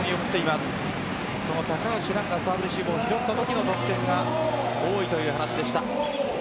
その高橋藍がサーブレシーブを拾ったときの得点は多いという話でした。